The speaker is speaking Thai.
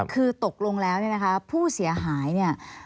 คือตกลงแล้วเนี่ยนะคะผู้เสียหายเนี่ย